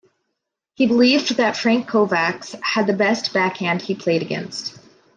He believed that Frank Kovacs had the best backhand he played against.